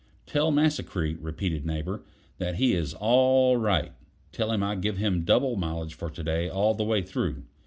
"Tell Massacree," repeated Neighbor, "that he is al l l right. Tell hi m I give him double mileage for to day all the way through.